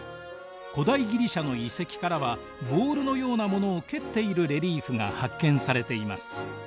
古代ギリシャの遺跡からはボールのようなものを蹴っているレリーフが発見されています。